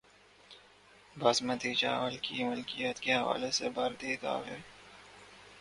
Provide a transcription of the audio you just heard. باسمتی چاول کی ملکیت کے حوالے سے بھارتی دعوی چیلنج کرنے کا فیصلہ